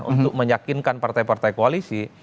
untuk meyakinkan partai partai koalisi